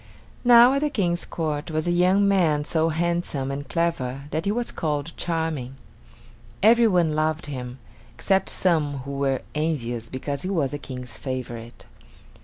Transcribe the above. Now at the King's court was a young man so handsome and clever that he was called Charming. Every one loved him, except some who were envious because he was the King's favorite.